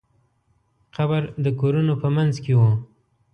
قبر د کورونو په منځ کې و.